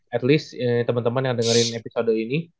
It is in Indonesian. at least temen temen yang dengerin episode ini